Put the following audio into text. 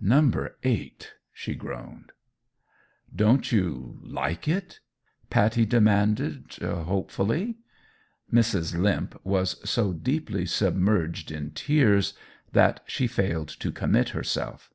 "Number eight," she groaned. "Don't you like it?" Pattie demanded, hopefully. Mrs. Limp was so deeply submerged in tears that she failed to commit herself.